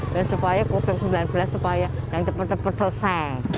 dan supaya covid sembilan belas supaya yang tepat tepat selesai